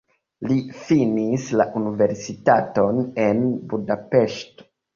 Li finis la universitaton en Budapeŝto.